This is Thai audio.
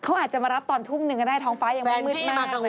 เขาอาจจะมารับตอนทุ่มหนึ่งก็ได้ท้องฟ้ายังไม่มืดมากเลย